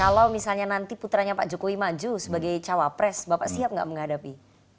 kalau misalnya nanti putranya pak jokowi maju sebagai cawapres bapak siap gak menghadapi